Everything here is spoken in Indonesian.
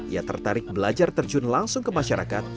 ia tertarik belajar terjun langsung ke masyarakat